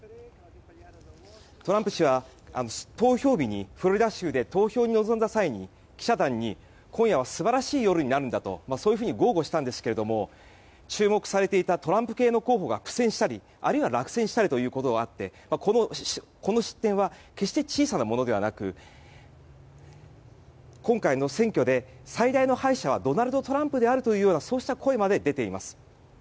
トランプ氏は投票日にフロリダ州で投票に臨んだ際に記者団に今夜は素晴らしい夜になるんだと豪語したんですが注目されていたトランプ系の候補が苦戦したりあるいは落選したりということがあってこの失点は決して小さなものではなく今回の選挙で、最大の敗者はドナルド・トランプであるというそうした声まで出ています。